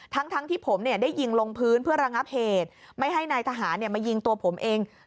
ทั้งที่ผมได้ยิงลงพื้นเพื่อระงับเหตุไม่ให้นายทหารมายิงตัวผมเอง